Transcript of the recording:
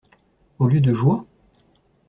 Au lieu de joie?